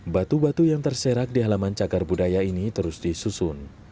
batu batu yang terserak di halaman cagar budaya ini terus disusun